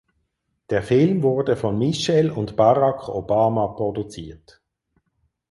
Der Film wurde von Michelle und Barack Obama produziert.